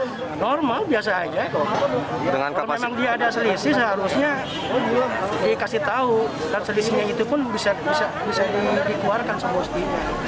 dan selisihnya itu pun bisa dikeluarkan sepuluh setiap hari